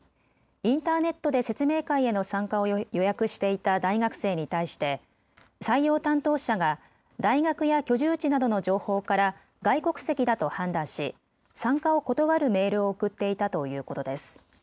インターネットで説明会への参加を予約していた大学生に対して採用担当者が大学や居住地などの情報から外国籍だと判断し参加を断るメールを送っていたということです。